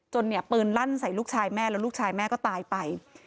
เนี่ยปืนลั่นใส่ลูกชายแม่แล้วลูกชายแม่ก็ตายไป